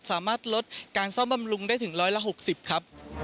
สามารถลดการซ่อมบำรุงได้ถึง๑๖๐ครับ